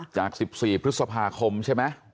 จาก๑๔พฤษภาคมใช่ไหม